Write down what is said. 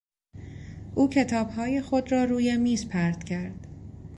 او کتابهای خود را روی میز پرت کرد.